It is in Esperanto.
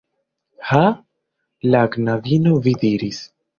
Ha? La knabino, vi diris